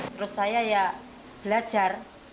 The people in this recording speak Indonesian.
terus saya ya belajar